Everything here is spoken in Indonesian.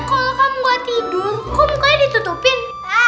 kalo kamu gak tidur kok mukanya ditutupin